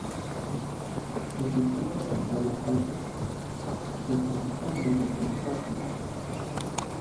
Se sitúa en el Tolo Harbour y se compone de tres fases.